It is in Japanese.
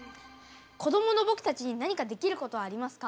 子どもの僕たちに何かできることはありますか？